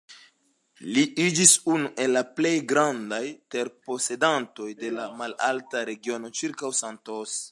Li iĝis unu el la plej grandaj terposedantoj de la malalta regiono ĉirkaŭ Santos.